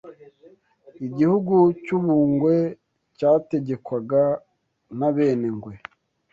Igihugu cy’u Bungwe cyategekwaga n’Abenengwe